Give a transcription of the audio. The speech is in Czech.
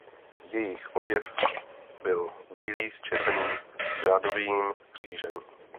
Jejich oděv byl bílý s červeným řádovým křížem.